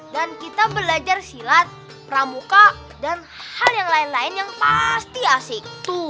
dan kita belajar silat pramuka dan hal yang lain lain yang pasti asik